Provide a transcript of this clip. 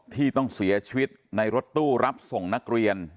ที่ต้องเสียชีวิตในรถตู้รับส่งนักเรียน